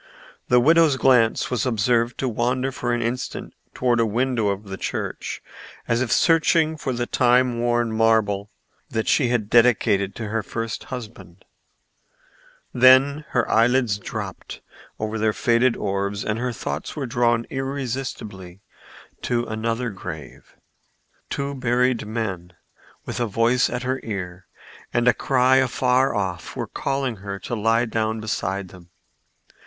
The widow's glance was observed to wander for an instant toward a window of the church, as if searching for the time worn marble that she had dedicated to her first husband; then her eyelids dropped over their faded orbs and her thoughts were drawn irresistibly to another grave. Two buried men with a voice at her ear and a cry afar off were calling her to lie down beside them.